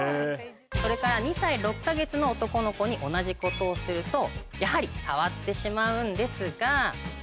それから２歳６か月の男の子に同じことをするとやはり触ってしまうんですが。